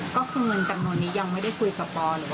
ก็คือเงินจำนวนนี้ยังไม่ได้คุยกับพ่อหรือว่า